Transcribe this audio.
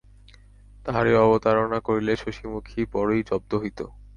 তাহারই অবতারণা করিলে শশিমুখী বড়োই জব্দ হইত।